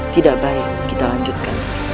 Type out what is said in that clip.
tidak baik kita lanjutkan